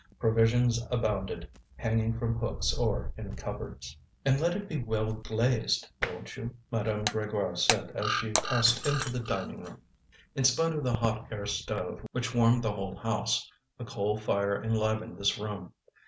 Provisions abounded, hanging from hooks or in cupboards. "And let it be well glazed, won't you?" Madame Grégoire said as she passed into the dining room. In spite of the hot air stove which warmed the whole house, a coal fire enlivened this room.